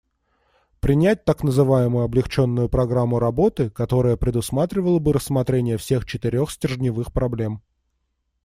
Принять так называемую облегченную программу работы, которая предусматривала бы рассмотрение всех четырех стержневых проблем.